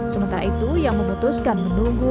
sementara itu yang memutuskan menunggu